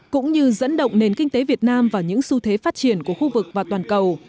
cũng như dẫn động nền kinh tế việt nam vào những xu thế phát triển của khu vực và toàn cầu